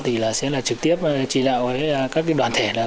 thì sẽ là trực tiếp chỉ đạo với các cái đoàn thể